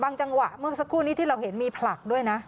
จังหวะเมื่อสักครู่นี้ที่เราเห็นมีผลักด้วยนะ